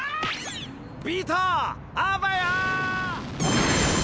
ビートあばよ！